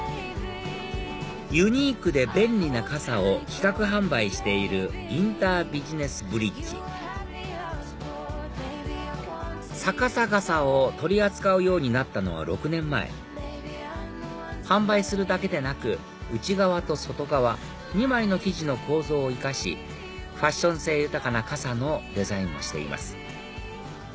ユニークで便利な傘を企画・販売しているインタービジネスブリッジ逆さ傘を取り扱うようになったのは６年前販売するだけでなく内側と外側２枚の生地の構造を生かしファッション性豊かな傘のデザインをしています